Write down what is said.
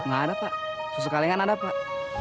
nggak ada pak susu kalengan ada pak